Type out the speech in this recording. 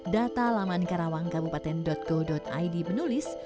data laman karawangkabupaten go id menulis